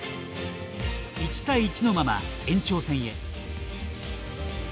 １対１のまま、延長戦へ。